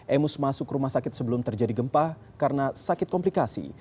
emus masuk rumah sakit sebelum terjadi gempa karena sakit komplikasi